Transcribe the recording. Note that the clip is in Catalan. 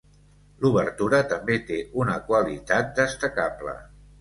L'obertura també té una qualitat destacable.